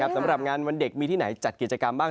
สำหรับงานวันเด็กมีที่ไหนจัดกิจกรรมบ้าง